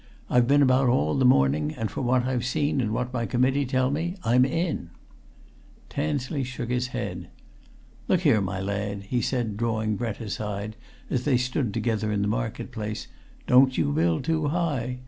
"I've been about all the morning, and from what I've seen and what my Committee tell me, I'm in!" Tansley shook his head. "Look here, my lad," he said, drawing Brent aside as they stood together in the market place, "don't you build too high!